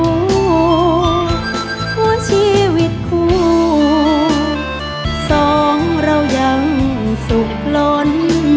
หัวชีวิตคู่สองเรายังสุขล้น